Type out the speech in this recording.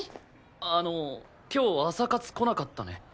あの今日朝活来なかったね。